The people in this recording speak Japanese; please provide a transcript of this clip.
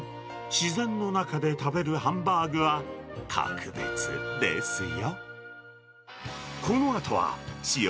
自然の中で食べるハンバーグは、格別ですよ。